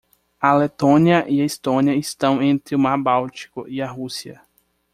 A Letônia e a Estônia estão entre o Mar Báltico e a Rússia.